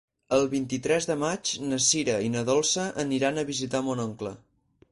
El vint-i-tres de maig na Sira i na Dolça aniran a visitar mon oncle.